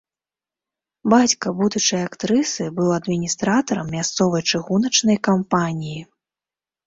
Бацька будучай актрысы быў адміністратарам мясцовай чыгуначнай кампаніі.